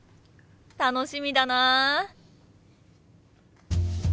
楽しみだな！